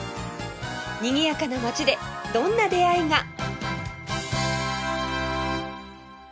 にぎやかな街でどんな出会いが？